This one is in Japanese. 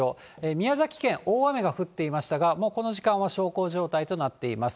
宮崎県、大雨が降っていましたが、もうこの時間は小康状態となっています。